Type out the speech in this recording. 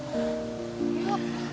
sita aku mau pergi